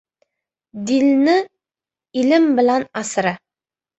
— Dinni ilm bilan asra.